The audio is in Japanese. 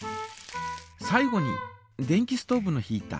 最後に電気ストーブのヒータ。